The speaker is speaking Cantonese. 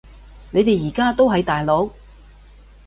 你哋而家都喺大陸？